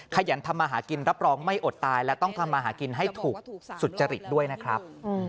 ขยันทำมาหากินรับรองไม่อดตายและต้องทำมาหากินให้ถูกสุจริตด้วยนะครับ